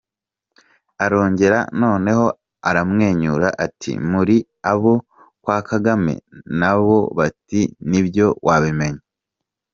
Arongera, noneho amwenyura, ati “Muri abo kwa Kagame?” Na bo bati “Ni byo wabimenye”.